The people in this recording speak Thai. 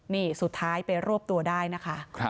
นี่สุดท้ายไปรวบตัวได้นะคะ